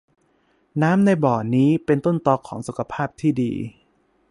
น้ำในบ่อนี้เป็นต้นตอของสุขภาพที่ดี